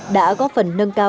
đã góp phần nâng cao